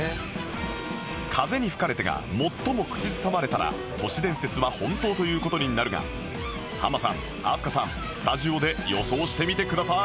『風に吹かれて』が最も口ずさまれたら都市伝説は本当という事になるがハマさん飛鳥さんスタジオで予想してみてください